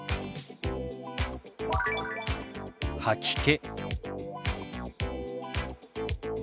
「吐き気」。